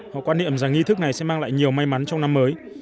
họ quan niệm rằng nghi thức này sẽ mang lại nhiều may mắn trong năm mới